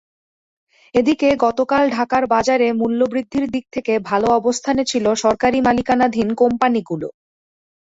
এদিকে গতকাল ঢাকার বাজারে মূল্যবৃদ্ধির দিক থেকে ভালো অবস্থানে ছিল সরকারি মালিকানাধীন কোম্পানিগুলো।